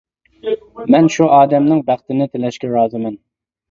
مەن شۇ ئادەمنىڭ بەختنى تىلەشكە رازىمەن.